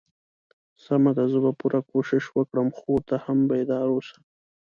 سمه ده زه به پوره کوشش وکړم خو ته هم بیدار اوسه.